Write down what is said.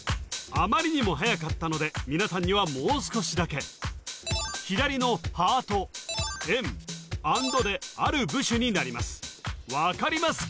あまりにもはやかったので皆さんにはもう少しだけ左のハート円アンドである部首になります